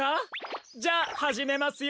じゃあはじめますよ！